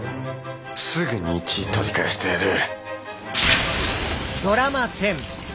すぐに１位取り返してやる。